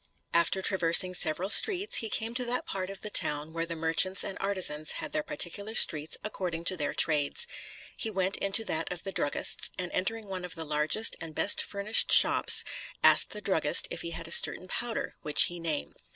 After traversing several streets, he came to that part of the town where the merchants and artisans had their particular streets according to their trades. He went into that of the druggists, and entering one of the largest and best furnished shops, asked the druggist if he had a certain powder, which he named.